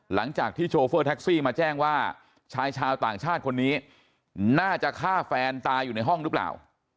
หลังจากที่โชเฟอร์แท็กซี่มาแจ้งว่าชายชาวต่างชาติคนนี้น่าจะฆ่าแฟนตายอยู่ในห้องหรือเปล่า